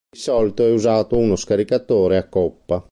Di solito è usato uno scaricatore a coppa.